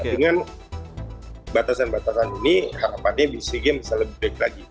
dengan batasan batasan ini harapannya di sea games bisa lebih baik lagi